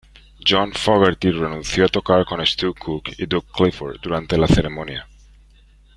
John Fogerty renunció a tocar con Stu Cook y Doug Clifford durante la ceremonia.